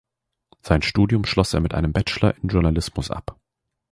Sein Studium schloss er mit einem Bachelor in Journalismus ab.